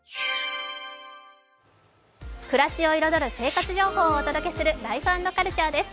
暮らしを彩る生活情報をお届けする「ライフ＆カルチャー」です。